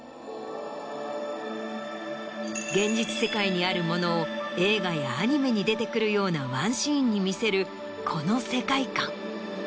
現実世界にあるものを映画やアニメに出てくるようなワンシーンに見せるこの世界観。